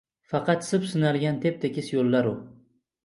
Faqat sip-sinalgan tep-tekis yo‘llar u.